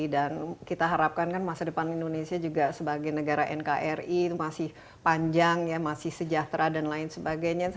dan kita harapkan masa depan indonesia juga sebagai negara nkri masih panjang masih sejahtera dan lain sebagainya